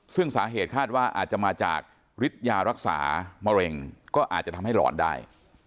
ซึ่งสาเหตุคาดว่าอาจจะมาจากฤทธิ์ยารักษามะเร็งก็อาจจะทำให้หลอนได้